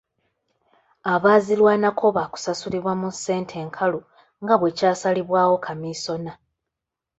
Abaazirwanako baakusasulirwa mu ssente nkalu nga bwe kyasalibwawo kamiisona.